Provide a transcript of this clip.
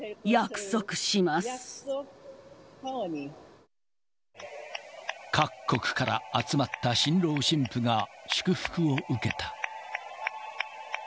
家庭に各国から集まった新郎新婦が祝福を受けた。